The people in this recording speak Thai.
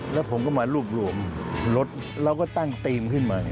แล้วผมก็มารวบรวมรถเราก็ตั้งธีมขึ้นมา